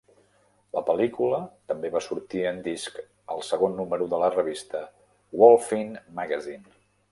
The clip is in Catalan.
La pel·lícula també va sortir en disc al segon número de la revista "Wholphin Magazine".